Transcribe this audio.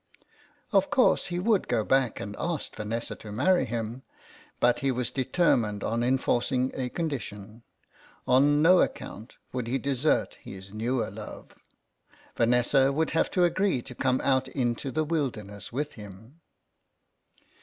Of course he would go back and ask Vanessa to marry him, but he was determined on enforcing a condition : on no account would he desert his newer love. Vanessa would have to agree to come out into the Wilder ness with him.